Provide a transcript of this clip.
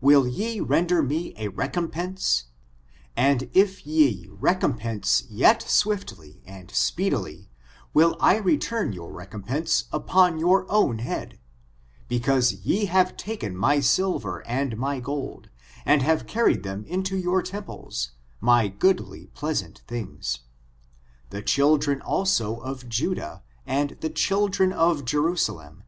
will ye render me a recompense? and if ye recom pense (yet) swiftly and speedily will I return your recompense upon your own head: because ye have taken my silver and my gold, and have carried them into 3rour temples, my goodly pleasant things : the children also of Judah, and the children of Jerusalem